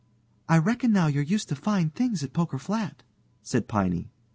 "I reckon now you're used to fine things at Poker Flat," said Piney.